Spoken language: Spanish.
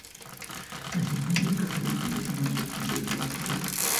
Es una zona de casas de fin de semana de residentes del Gran Rosario.